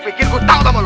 pikir gua tau sama lu